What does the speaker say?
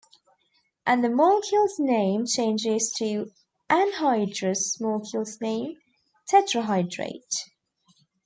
And the molecule's name changes to anhydrous molecule's name tetrahydrate.